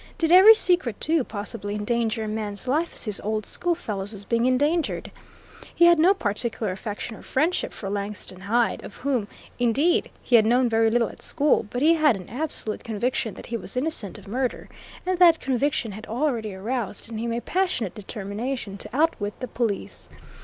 Did every secret, too, possibly endanger a man's life as his old schoolfellow's was being endangered? He had no particular affection or friendship for Langton Hyde, of whom, indeed, he had known very little at school, but he had an absolute conviction that he was innocent of murder, and that conviction had already aroused in him a passionate determination to outwit the police.